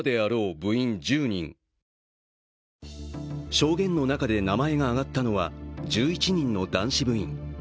証言の中で名前が挙がったのは１１人の男子部員。